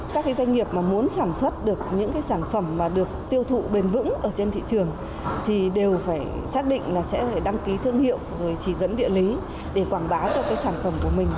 các cái doanh nghiệp mà muốn sản xuất được những cái sản phẩm mà được tiêu thụ bền vững ở trên thị trường thì đều phải xác định là sẽ đăng ký thương hiệu rồi chỉ dẫn địa lý để quảng bá cho cái sản phẩm của mình